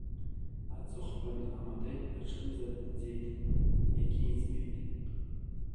Аҵыхәтәан амодель аҿынӡа днаӡеит, иагьиӡбеит…